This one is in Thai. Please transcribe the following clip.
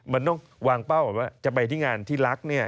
มันต้องวางเป้าว่าจะไปที่งานที่รักเนี่ย